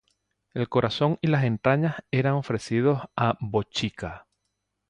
El corazón y las entrañas eran ofrecidos a Bochica.